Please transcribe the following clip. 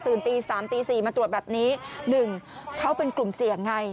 ตื่นตีสามตีสี่มาตรวจแบบนี้หนึ่งเขาเป็นกลุ่มเสี่ยงไง